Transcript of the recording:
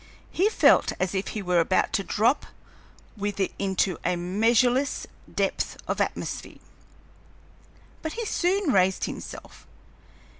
He felt as if he were about to drop with it into a measureless depth of atmosphere. But he soon raised himself.